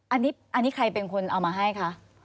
อันนี้ใครเป็นคนเอามาให้คะ